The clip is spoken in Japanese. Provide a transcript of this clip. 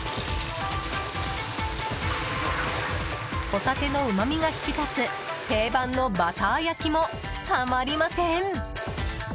ホタテのうまみが引き立つ定番のバター焼きもたまりません。